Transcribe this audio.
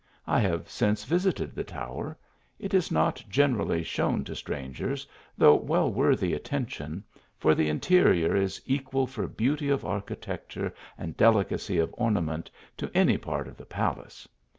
I have since visited the tower. It is not generally shown to strangers, though well worthy attention, for the interior is equal for beauty of archi tecture and delicacy .of ornament, to any part of the palace.